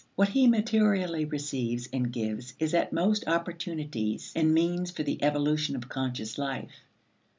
What he materially receives and gives is at most opportunities and means for the evolution of conscious life.